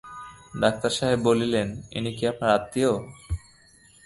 Doctor সাহেব বললেন, ইনি কি আপনার আত্মীয়?